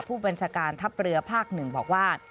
ผู้บัญชาการทัพเรือภาค๑บอกว่า